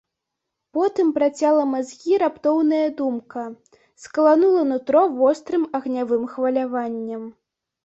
Потым працяла мазгі раптоўная думка, скаланула нутро вострым агнявым хваляваннем.